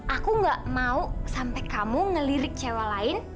aku nggak mau sampai kamu ngelirik cewek lain